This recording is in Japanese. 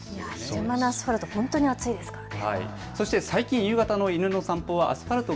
昼間のアスファルト、本当に熱いですからね。